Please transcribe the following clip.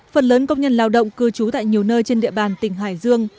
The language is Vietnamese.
phần lớn công nhân lao động cư trú tại nhiều nơi trên địa bàn tỉnh hải dương